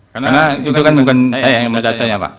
karena itu kan bukan saya yang mendatanya pak